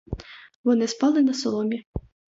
Вони спали на соломі.